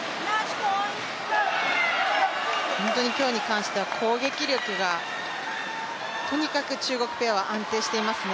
本当に今日に関しては攻撃力が、とにかく中国ペアは安定していますね。